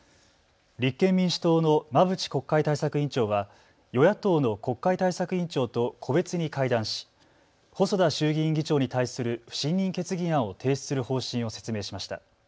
立憲民主党の馬淵国会対策委員長は与野党の国会対策委員長と個別に会談し細田衆議院議長に対する不信任決議案を提出する方針を説明しました。